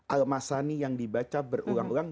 al masani yang dibaca berulang ulang